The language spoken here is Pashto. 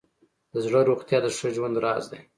د زړه روغتیا د ښه ژوند راز دی.